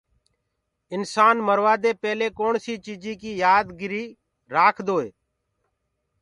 انسآن مروآدي پيلي ڪوڻسي چيجي ڪي يآد گري رآکدوئي